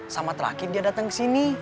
sama terakhir dia datang kesini